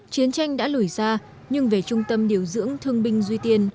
chiến tranh đã lủi ra nhưng về trung tâm điều dưỡng thương binh duy tiên